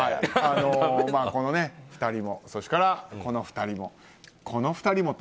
この２人もそれから、この２人もこの２人もと。